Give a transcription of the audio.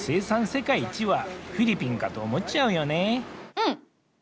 うん！